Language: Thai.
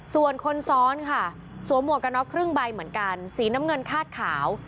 ส่วนคนซ้อนค่ะสวมหมวกกระน็อกครึ่งใบเหมือนกันสีน้ำเงินคาดขาว